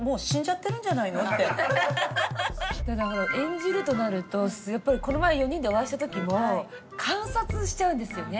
演じるとなるとやっぱりこの前４人でお会いした時も観察しちゃうんですよね。